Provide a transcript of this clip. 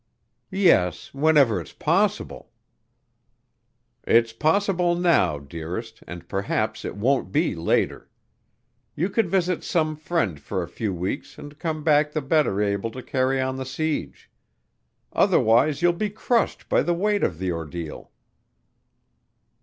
"Yes, whenever it's possible." "It's possible, now, dearest, and perhaps it won't be later. You could visit some friend for a few weeks and come back the better able to carry on the siege. Otherwise you'll be crushed by the weight of the ordeal."